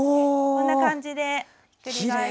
こんな感じでひっくり返します。